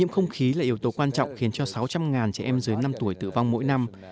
không khí là yếu tố quan trọng khiến cho sáu trăm linh trẻ em dưới năm tuổi tử vong mỗi năm